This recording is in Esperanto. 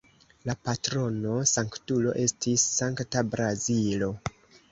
La patrono-sanktulo estis Sankta Blazio.